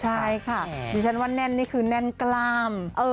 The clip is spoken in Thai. ใช่ค่ะดิฉันว่าแน่นนี่คือแน่นกล้าม